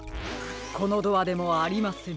このドアでもありません。